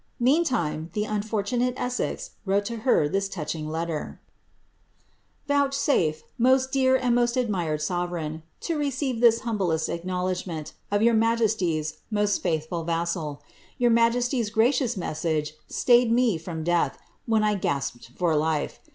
Meantime, the unfortunate Emcx wrote to her this touching letter :—Vouchsafe, most dear and most admired sovereign, to receive this humblest aeknowledgment of your migesty*s most faithful Tassal. Your msieatfa gracious message staid me from death, when I gasped for lifb.